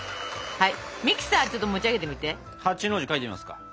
はい。